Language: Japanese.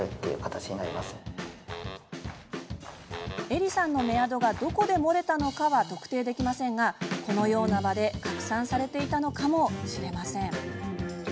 エリさんのメアドがどこで漏れたのかは特定できませんがこのような場で拡散されていたのかもしれません。